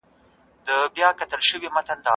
سياسي پروګرامونه بايد په مشخص وخت کي پلي سي.